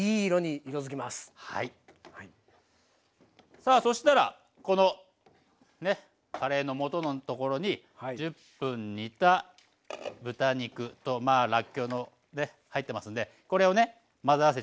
さあそしたらこのカレーのもとのところに１０分煮た豚肉とらっきょうのね入ってますんでこれをね混ぜ合わせちゃいますよ。